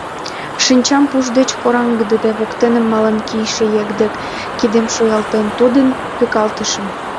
Шинчам пуш деч кораҥдыде, воктенем мален кийыше еҥ дек кидем шуялтен, тудым тӱкалтышым.